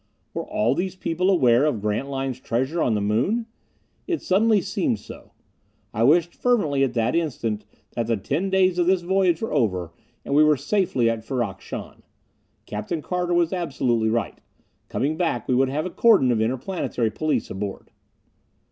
Were all these people aware of Grantline's treasure on the moon? It suddenly seemed so. I wished fervently at that instant that the ten days of this voyage were over and we were safely at Ferrok Shahn. Captain Carter was absolutely right. Coming back we would have a cordon of interplanetary police aboard.